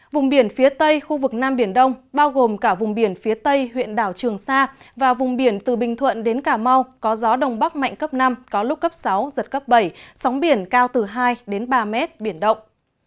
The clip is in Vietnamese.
vùng biển phía tây khu vực nam biển đông bao gồm cả vùng biển phía tây huyện đảo trường sa và vùng biển từ bình thuận đến cà mau có gió đông bắc mạnh cấp năm có lúc cấp sáu giật cấp bảy sóng biển cao từ hai ba mét biển động